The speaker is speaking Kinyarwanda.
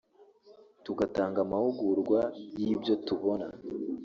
tugatanga amahugurwa y’ibyo tubona”